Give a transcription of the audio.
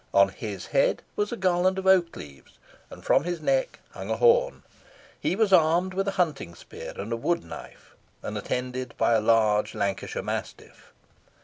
On his head was a garland of oak leaves; and from his neck hung a horn. He was armed with a hunting spear and wood knife, and attended by a large Lancashire mastiff.